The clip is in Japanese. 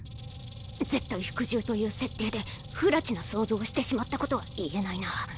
絶対服従という設定でふらちな想像をしてしまったことは言えないな。